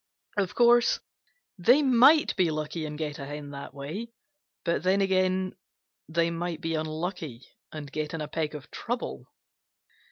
Of course, they might be lucky and get a hen that way, but then again they might be unlucky and get in a peck of trouble.